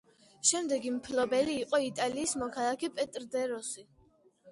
შემდეგი მფლობელი იყო იტალიის მოქალაქე პეტრ დე როსი.